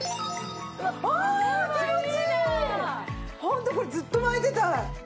ホントこれずっと巻いてたい。